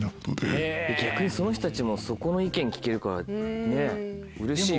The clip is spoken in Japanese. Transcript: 逆にその人たちもそこの意見聞けるからねうれしいよね。